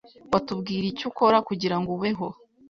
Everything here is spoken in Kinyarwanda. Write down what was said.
Watubwira icyo ukora kugirango ubeho?